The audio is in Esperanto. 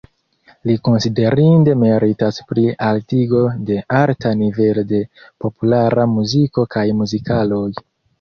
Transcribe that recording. Li konsiderinde meritas pri altigo de arta nivelo de populara muziko kaj muzikaloj.